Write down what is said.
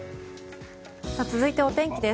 続いてはお天気です。